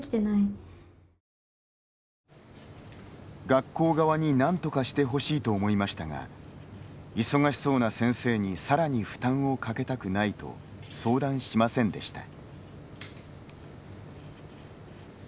学校側になんとかしてほしいと思いましたが、忙しそうな先生にさらに負担をかけたくないと相談しませんでした。